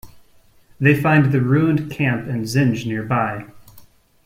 They find the ruined camp and Zinj nearby.